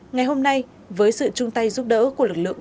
ngày hôm nay với sự chung tay giúp đỡ của lực lượng